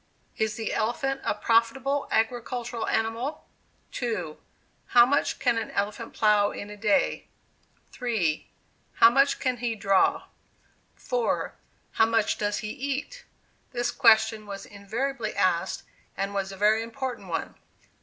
"Is the elephant a profitable agricultural animal?" 2. "How much can an elephant plow in a day?" 3. "How much can he draw?" 4. "How much does he eat?" this question was invariably asked, and was a very important one.